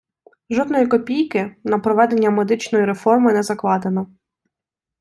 Жодної копійки на проведення медичної реформи не закладено.